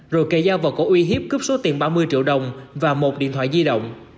rồi kề dao vào cổ uy hiếp cướp số tiền ba mươi triệu đồng và một điện thoại di động